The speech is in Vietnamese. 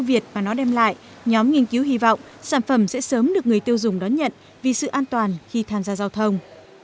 việc mà nó đem lại nhóm nghiên cứu hy vọng sản phẩm sẽ sớm được người tiêu dùng đón nhận vì sự an toàn khi tham gia giao thông